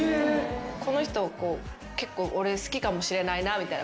この人結構俺好きかもしれないなみたいな。